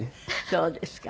そうですか。